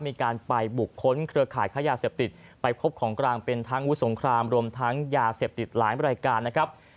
มีการไปบุคคลเครือข่ายค้ายาเสพติดไปพบของกลางเป็นทั้งวุสงครามรวมทั้งยาเสพติดหลายรายการนะครับ